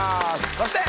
そして。